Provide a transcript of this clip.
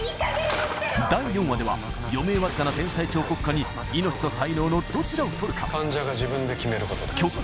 第４話では余命わずかな天才彫刻家に命と才能のどちらをとるか極限の選択を迫ります